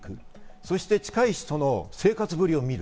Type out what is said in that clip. そしてその近い人の生活ぶりを見る。